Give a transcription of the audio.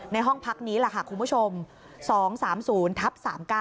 วันนี้คุณผู้ชม๒๓๐ทับ๓๙